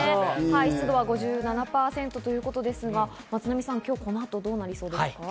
湿度は５７％ということですが、松並さん、今日この後どうなりそうですか。